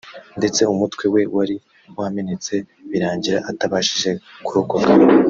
ndetse umutwe we wari wamenetse birangira atabashije kurokoka